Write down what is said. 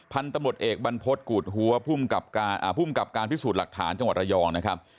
พันธุ์ตำรวจเอกบรรพฤษกูดหัวภูมิกับการพิสูจน์หลักฐานจังหวัดระยองนะครับ